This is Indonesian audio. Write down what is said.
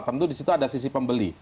tentu disitu ada sisi pembeli